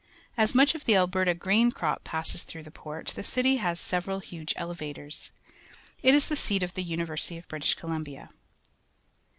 As much of the Alberta grain crop passes through the port, the city has several huge elevators. It is the seat of the University of British Columbia.